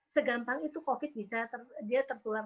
segampang itu covid bisa dia tertular